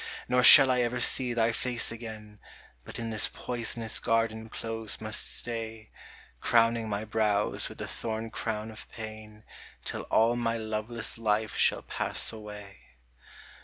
6] Nor shall I ever see thy face again, But in this poisonous garden close must stay, Crowning my brows with the thorn crown of pain, ^1U alLmyLlqvele ss life shall pass awag.